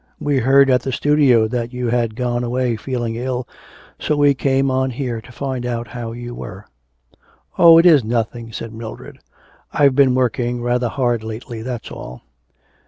'We heard at the studio that you had gone away feeling ill, so we came on here to find out how you were.' 'Oh, it is nothing,' said Mildred. 'I've been working rather hard lately, that's all.'